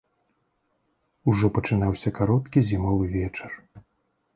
Ужо пачынаўся кароткі зімовы вечар.